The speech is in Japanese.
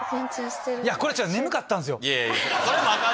いやこれ眠かったんすよ。